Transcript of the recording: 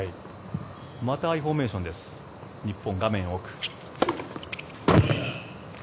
またアイフォーメーションです日本、画面奥。